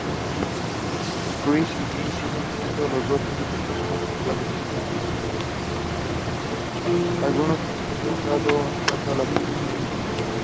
Algunos incluso han dado el salto a la publicación en papel.